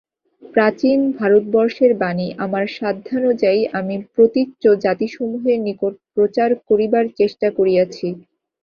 প্রাচীন ভারতবর্ষের বাণী আমার সাধ্যানুযায়ী আমি প্রতীচ্য জাতিসমূহের নিকট প্রচার করিবার চেষ্টা করিয়াছি।